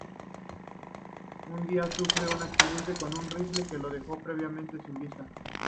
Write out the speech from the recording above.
Un día, sufre un accidente con un rifle, que lo deja permanentemente sin vista.